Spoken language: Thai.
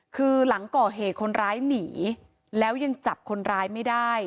คือหลังก่อเหตุคนร้ายหนีแล้วยังจับคนร้ายไม่ได้